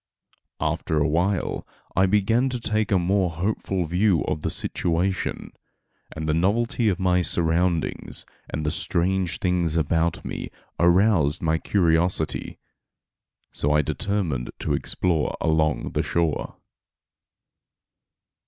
After a while I began to take a more hopeful view of the situation, and the novelty of my surroundings, and the strange things about me, aroused my curiosity. So I determined to explore along the shore.